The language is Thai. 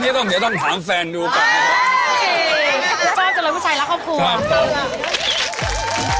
แล้วตรงนี้ต้องถามแฟนดูก่อน